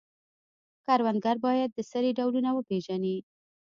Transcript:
کروندګر باید د سرې ډولونه وپیژني.